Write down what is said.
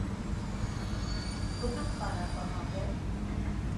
کتب خانہ کہاں ہے؟